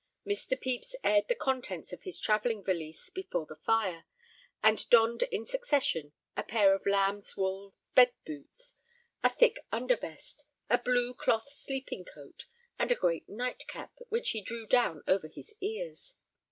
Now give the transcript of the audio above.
Mr. Pepys aired the contents of his travelling valise before the fire, and donned in succession a pair of lamb's wool bed boots, a thick undervest, a blue cloth sleeping coat, and a great nightcap, which he drew down over his ears.